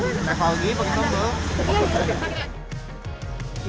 ini ada lagi pakai sampel